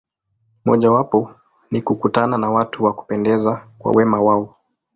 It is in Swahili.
Mojawapo ni kukutana na watu wa kupendeza kwa wema wao.